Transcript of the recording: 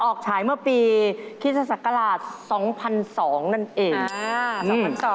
ออกฉายเมื่อปีพิษศักราช๒๐๐๒นะครับ